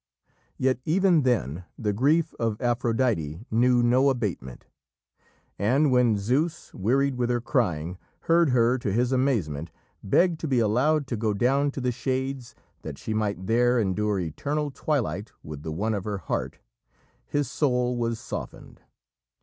Yet, even then, the grief of Aphrodite knew no abatement. And when Zeus, wearied with her crying, heard her, to his amazement, beg to be allowed to go down to the Shades that she might there endure eternal twilight with the one of her heart, his soul was softened.